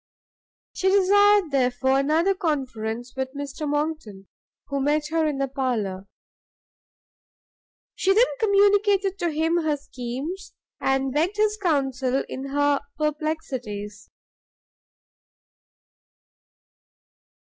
She desired, therefore, another conference with Mr Monckton, who met her in the parlour. She then communicated to him her schemes; and begged his counsel in her perplexities.